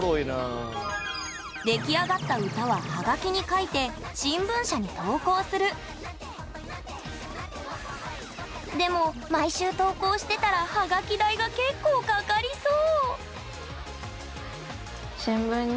出来上がった歌はハガキに書いて新聞社に投稿するでも毎週投稿してたらハガキ代が結構かかりそう！